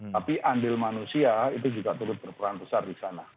tapi andil manusia itu juga turut berperan besar di sana